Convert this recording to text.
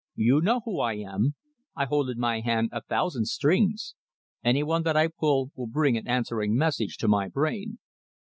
You know who I am. I hold in my hand a thousand strings. Any one that I pull will bring an answering message to my brain.